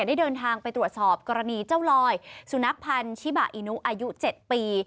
ได้เดินทางไปตรวจสอบกรณีเจ้าลอยสุนัขพันธ์ชิบาอินุอายุ๗ปี